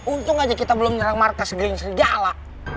untung aja kita belum nyerang markas geng serigala